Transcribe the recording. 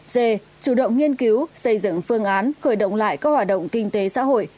c chủ động nghiên cứu xây dựng phương án khởi động lại các hoạt động kinh tế xã hội